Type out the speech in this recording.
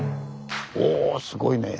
おぉすごいね。